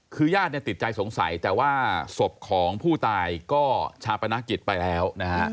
คือย่าดติดใจสงสัยแต่ว่าสบของผู้ตายก็ชาปนักกิจไปแล้ว